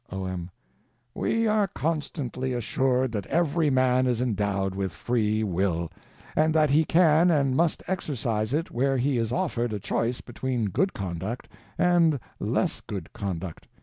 O.M. We are constantly assured that every man is endowed with Free Will, and that he can and must exercise it where he is offered a choice between good conduct and less good conduct.